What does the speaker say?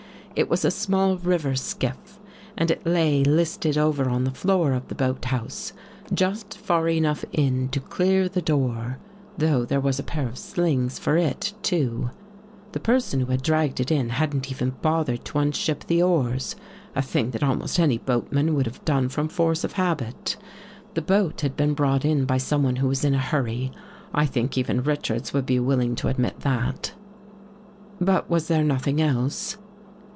It was a small river skiff and it lay listed over on the floor of the boathouse, just far enough in to clear the door, though there was a pair of slings for it, too. The person who had dragged it in hadn't even bothered to unship the oars, a thing that almost any boatman would have done from force of habit. The boat had been i68 BEECH HILL brought in by someone who was in a hurry. I think even Richards would be willing to admit that." " But was there nothing else?